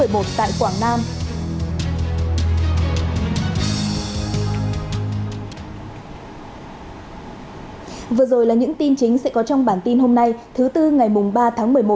bản tin chính sẽ có trong bản tin hôm nay thứ tư ngày ba tháng một mươi một